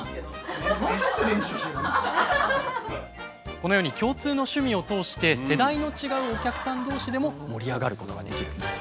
このように共通の趣味を通して世代の違うお客さん同士でも盛り上がることができるんです。